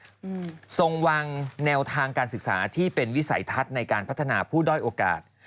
อืมทรงวางแนวทางการศึกษาที่เป็นวิสัยทัศน์ในการพัฒนาผู้ด้อยโอกาส